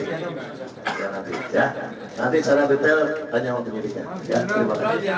ya nanti secara detail tanya sama penyelidiknya